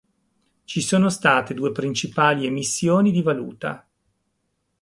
Ci sono state due principali emissioni di valuta.